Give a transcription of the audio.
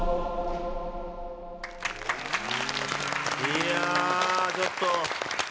いやあちょっと。